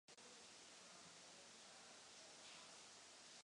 Leží na řece Neckar.